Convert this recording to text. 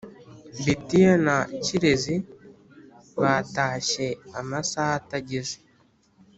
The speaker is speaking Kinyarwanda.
betiya na kirezi batashye amasaha atageze